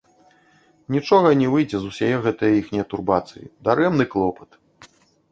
Нічога не выйдзе з усяе гэтае іхняе турбацыі, дарэмны клопат!